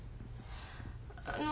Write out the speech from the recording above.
あの。